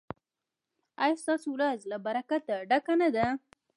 ایا ستاسو ورځ له برکته ډکه نه ده؟